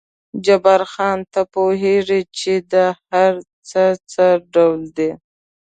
جبار خان، ته پوهېږې چې دا هر څه څه ډول دي؟